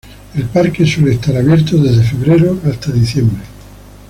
El parque suele estar abierto desde febrero hasta diciembre.